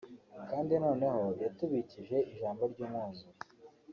kandi noneho yatubikije ijambo ry’umwuzuro